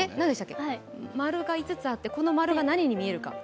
丸が５つあって、これが何に見えるか。